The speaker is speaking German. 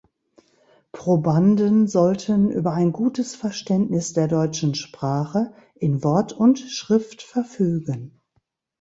Probanden sollten über ein gutes Verständnis der deutschen Sprache in Wort und Schrift verfügen.